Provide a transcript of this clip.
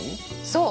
そう。